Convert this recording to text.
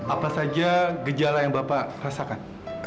apa saja gejala yang bapak rasakan